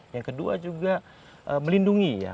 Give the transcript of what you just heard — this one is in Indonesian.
yang kedua juga melindungi ya